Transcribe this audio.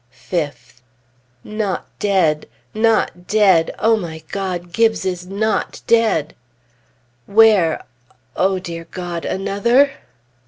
5th. Not dead! not dead! O my God! Gibbes is not dead! Where O dear God! Another?